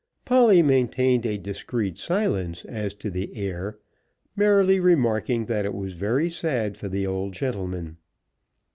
Polly maintained a discreet silence as to the heir, merely remarking that it was very sad for the old gentleman.